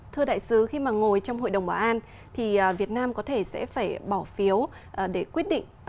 thưa đại sứ khi mà ngồi trong hội đồng bảo an thì việt nam có thể sẽ phải bỏ phiếu để quyết định